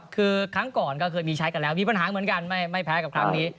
คือครั้งก่อนก็เคยมีใช้กันแล้วมีปัญหาเหมือนกันไม่แพ้กับครั้งนี้